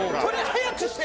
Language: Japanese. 「早くして！」。